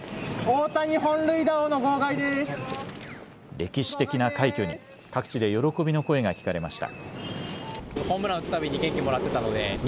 歴史的な快挙に各地で喜びの声が聞かれました。